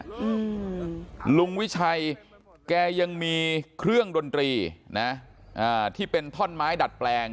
อืมลุงวิชัยแกยังมีเครื่องดนตรีนะอ่าที่เป็นท่อนไม้ดัดแปลง